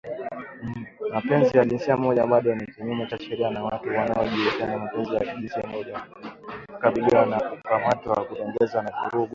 Mapenzi ya jinsia moja bado ni kinyume cha sheria na watu wanaojihusisha na mapenzi ya jinsia moja wanakabiliwa na kukamatwa, kutengwa na vurugu